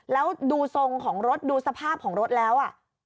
แล้วดูทรงของรถดูสภาพของรถแล้ว